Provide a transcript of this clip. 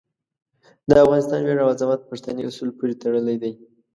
د افغانستان ویاړ او عظمت پښتني اصولو پورې تړلی دی.